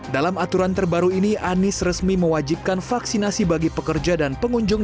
dalam aturan terbaru ini anies resmi mewajibkan vaksinasi bagi pekerja dan pengunjung